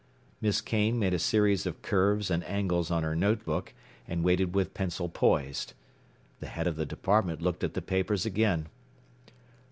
”' Miss Kane made a series of curves and angles on her note book and waited with pencil poised. The head of the department looked at the papers again.